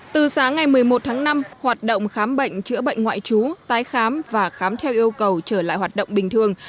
từ sáng ngày một mươi một tháng năm hoạt động khám bệnh chữa bệnh ngoại trú tái khám và khám theo yêu cầu trở lại hoạt động bình thường